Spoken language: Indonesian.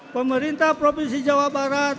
pemerintah provinsi jawa barat